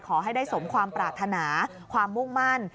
ขอให้ได้สมความปรารถนาความมุ่งมั่น